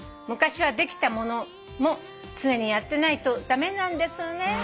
「昔はできたものも常にやってないと駄目なんですね」